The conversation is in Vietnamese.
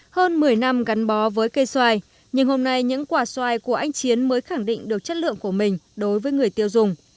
hơn một mươi năm gắn bó với cây xoài nhưng hôm nay những quả xoài của anh chiến mới khẳng định được chất lượng của mình đối với người tiêu dùng